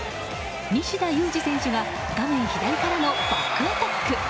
西田有志選手が画面左からのバックアタック！